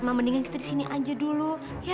mendingan kita disini aja dulu